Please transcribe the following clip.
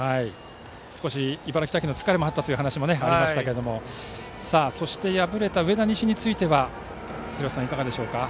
少し茨城大会の疲れもあったと聞きましたがそして、敗れた上田西については廣瀬さん、いかがですか？